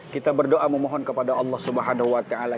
kita berdoa memohon kepada allah subhanahu wa ta'ala